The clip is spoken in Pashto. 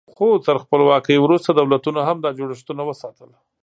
خو تر خپلواکۍ وروسته دولتونو هم دا جوړښتونه وساتل.